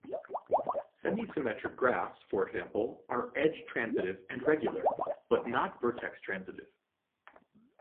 Semi-symmetric graphs, for example, are edge-transitive and regular, but not vertex-transitive.